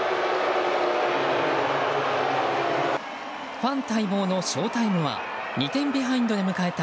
ファン待望のショータイムは２点ビハインドで迎えた